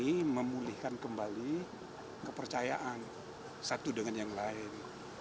ini memulihkan kembali kepercayaan satu dengan yang lain